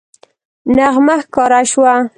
نغمه ښکاره شوه